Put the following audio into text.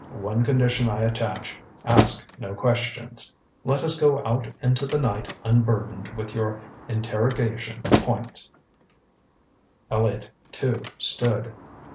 One condition I attach. Ask no questions. Let us go out into the night unburdened with your interrogation points." Elliott, too, stood.